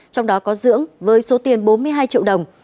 trong đó có dưỡng với số tiền bốn mươi hai triệu đồng